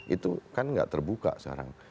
itu kan nggak terbuka sekarang